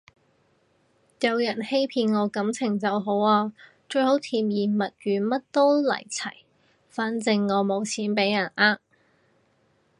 有人欺騙我感情就好啊，最好甜言蜜語乜都嚟齊，反正我冇錢畀人呃